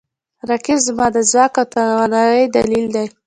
رقیب زما د ځواک او توانایي دلیل دی